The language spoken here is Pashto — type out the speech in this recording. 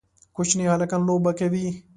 کوچني هلکان لوبه کوي